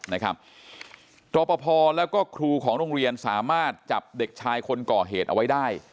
รอปภแล้วก็ครูของโรงเรียนสามารถจับเด็กชายคนก่อเหตุเอาไว้ได้